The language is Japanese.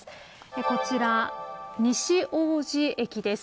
こちら西大路駅です。